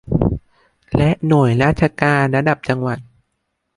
และหน่วยราชการระดับจังหวัด